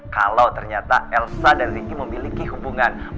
kalau ternyata elsa tanpa penyakit lagi berarti dia akan menyerang kakaknya